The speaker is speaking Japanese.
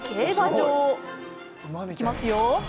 いきますよ。